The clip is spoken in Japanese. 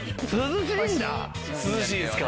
涼しいですか？